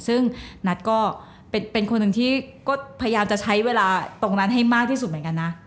ซึ่งนัทก็เป็นคนหนึ่งที่ก็พยายามจะใช้เวลาตรงนั้นให้มากที่สุดเหมือนกันนะ